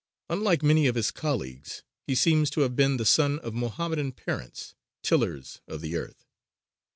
Unlike many of his colleagues he seems to have been the son of Mohammedan parents, tillers of the earth.